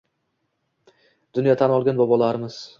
Dunyo tan olgan bobolarimiz